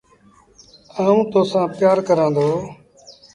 آئوٚݩ تو سآݩ پيآر ڪرآݩ دو۔